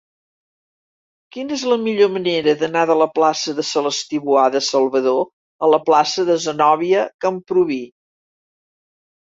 Quina és la millor manera d'anar de la plaça de Celestí Boada Salvador a la plaça de Zenòbia Camprubí?